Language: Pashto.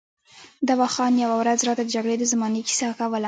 دوا خان یوه ورځ راته د جګړې د زمانې کیسه کوله.